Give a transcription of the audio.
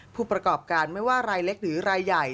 ผู้ประกอบการไม่ว่ารายเล็กหรือรายใหญ่